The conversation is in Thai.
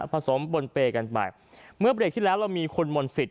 ผสมบนเปยกันไปเมื่อเบลดที่แล้วเรามีคุณหม่นสิบ